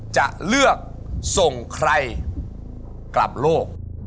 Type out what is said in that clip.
จะเลือกส่งใครกลับโลก